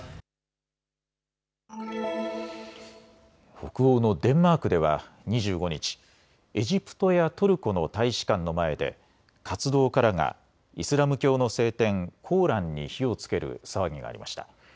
北欧のデンマークでは２５日、エジプトやトルコの大使館の前で活動家らがイスラム教の聖典コーランに火をつける騒ぎがありました。